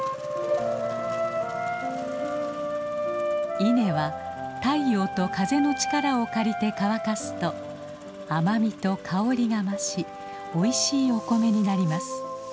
稲は太陽と風の力を借りて乾かすと甘みと香りが増しおいしいお米になります。